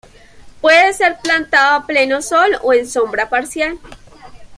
Puede ser plantado a pleno sol o en sombra parcial.